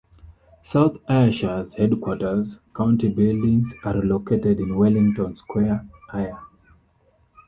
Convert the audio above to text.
South Ayrshire's Headquarters, "County Buildings", are located in Wellington Square, Ayr.